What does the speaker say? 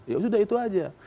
ya sudah itu aja